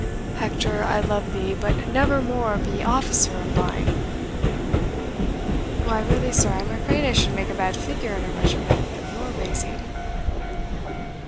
Hector, I love thee, But never more be officer of mine." "Why, really, sir, I am afraid I should make a bad figure in a regiment of your raising."